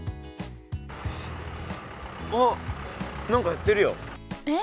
おっ、何かやってるよ。